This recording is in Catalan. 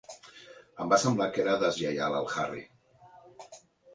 Em va semblar que era deslleial al Harry.